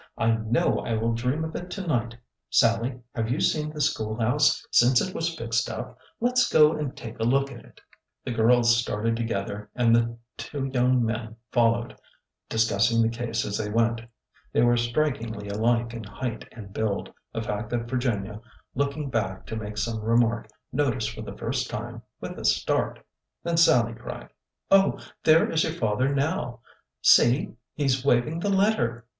I know I will dream of it to night. Sallie, have you seen the school house since it was fixed up ? Let 's go and take a look at it." The girls started together and the two young men fol lowed, discussing the case as they went. They were strik ingly alike in height and build, a fact that Virginia, look ing back to make some remark, noticed for the first time with a start. Then Sallie cried, " Oh, there is your father now. See 1 he 's waving the letter."